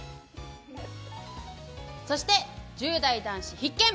そして１０代男子必見。